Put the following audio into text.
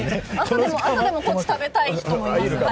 朝でもこっち食べたい人もいますよ。